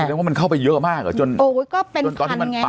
แสดงว่ามันเข้าไปเยอะมากเหรอจนโอ้โหก็เป็นจนตอนที่มันปั